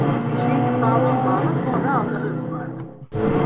Eşeğini sağlam bağla, sonra Allah'a ısmarla.